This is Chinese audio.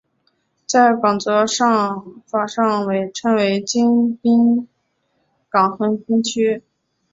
在港则法上称为京滨港横滨区。